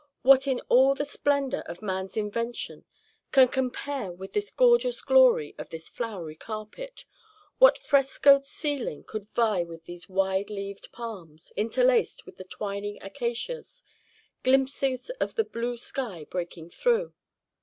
What in all the splendor of man's invention can compare with the gorgeous glory of this flowery carpet? What frescoed ceiling could vie with these wide leaved palms, interlaced with these twining acacias, glimpses of the blue sky breaking through?